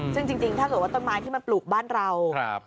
ซึ่งจริงถ้าเกิดว่าต้นไม้ที่มันปลูกบ้านเรา